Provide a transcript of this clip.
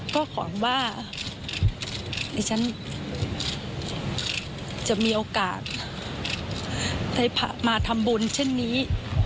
ก็หวังว่าดิฉันจะมีโอกาสได้มาทำบุญเช่นนี้